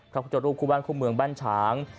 พระพุทธรูปคู่บ้านคู่เมืองบ้านฉาง